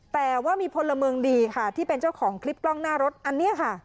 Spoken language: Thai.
แต่ว่ามีพลเมืองดีค่ะที่เป็นเจ้าของคลิปกล้องหน้ารถอันนี้ค่ะ